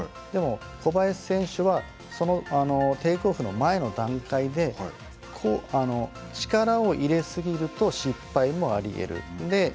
でも、小林選手はそのテイクオフの前の段階で力を入れ過ぎると失敗もあり得る。